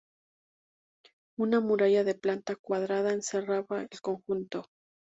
Una muralla de planta cuadrada encerraba el conjunto.